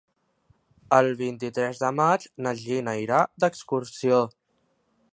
El vint-i-tres de maig na Gina irà d'excursió.